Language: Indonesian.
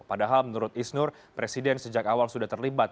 padahal menurut isnur presiden sejak awal sudah terlibat